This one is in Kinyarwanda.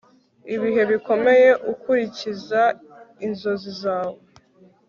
ibihe bikomeye ukurikiza inzozi zawe